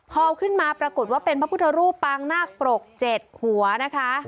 พอขึ้นมาปรากฏว่าเป็นพระพุทธรูปปางนาคปรก๗หัวนะคะ